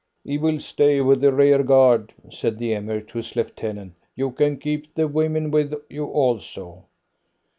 "He will stay with the rearguard," said the Emir to his lieutenant. "You can keep the women with you also."